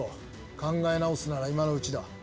考え直すなら今のうちだ。